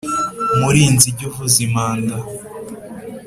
Murinzi, jy’ uvuza impanda,